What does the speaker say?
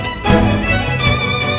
mama tahu kamu terluka